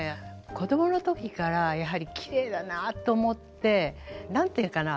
子供の時からやはりきれいだなと思って何て言うのかな